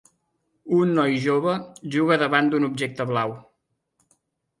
Un noi jove juga davant d'un objecte blau.